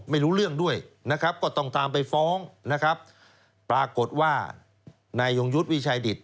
ไม่รู้เรื่องด้วยนะครับก็ต้องตามไปฟ้องนะครับปรากฏว่านายยงยุทธ์วิชัยดิต